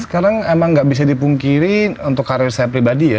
sekarang emang gak bisa dipungkiri untuk karir saya pribadi ya